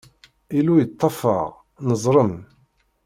Illu yeṭṭef-aɣ, neḍlem.